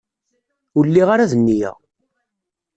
Ur lliɣ ara d nniya.